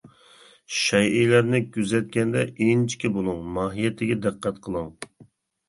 شەيئىلەرنى كۆزەتكەندە، ئىنچىكە بولۇڭ، ماھىيىتىگە دىققەت قىلىڭ.